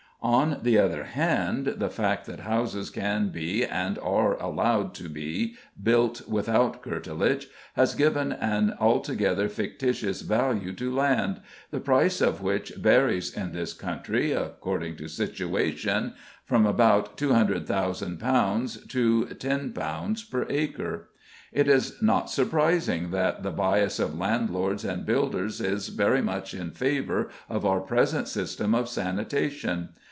On the other hand, the fact that houses can be and are allowed to be built without curtilage has given an altogether fictitious value to land, the price of which varies in this country (according to situation) from about £200,000 to £10 per acre. It is not surprising that the bias of landlords and builders is very much in favour of our present system of Sanitation.